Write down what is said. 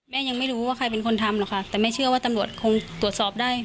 ยังไม่รู้ว่าใครเป็นคนทำหรอกค่ะแต่แม่เชื่อว่าตำรวจคงตรวจสอบได้